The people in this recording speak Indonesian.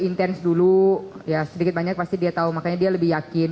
intens dulu ya sedikit banyak pasti dia tahu makanya dia lebih yakin